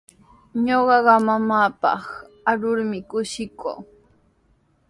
Ñuqa mamaapaq arurmi kushikuu.